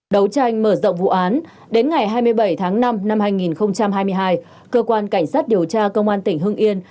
đấu tranh mở rộng vụ án đến ngày hai mươi bảy tháng năm năm hai nghìn hai mươi hai cơ quan cảnh sát điều tra công an tỉnh hưng yên